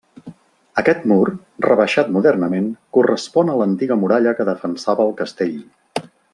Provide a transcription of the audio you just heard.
Aquest mur, rebaixat modernament, correspon a l'antiga muralla que defensava el castell.